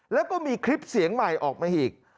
แล้วก็มีคลิปเสียงใหม่ออกมาอีก